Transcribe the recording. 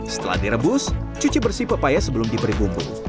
setelah direbus cuci bersih pepaya sebelum diberi bumbu